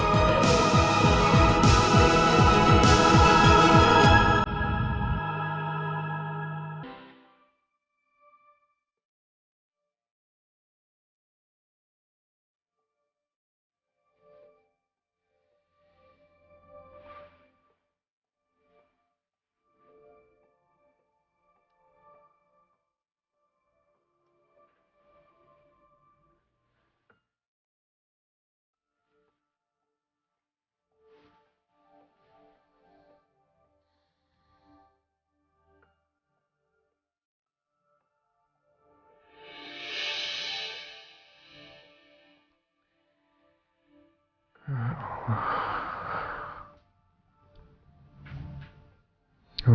gak akan aku lepasin aku